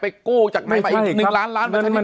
ไปกู้จากไหนมาอีก๑ล้านประธานิบัติ